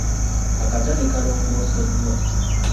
Akatale kaalongoseddwa.